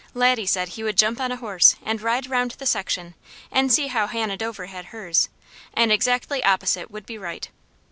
Laddie said he would jump on a horse and ride round the section, and see how Hannah Dover had hers, and exactly opposite would be right.